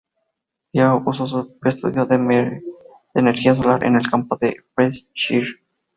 Ella usó su propio estudio de energía solar en el campo de Berkshire.